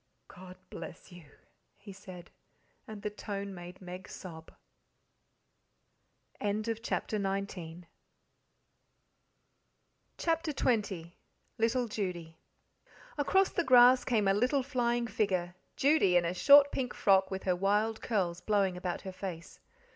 "God bless you," he said, and the tone made Meg sob. CHAPTER XX Little Judy Across the grass came a little flying figure, Judy in a short pink frock with her wild curls blowing about her face.